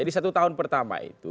jadi satu tahun pertama itu